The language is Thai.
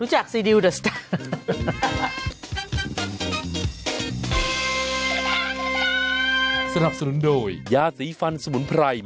รู้จักสิดิวเดอร์สตาร์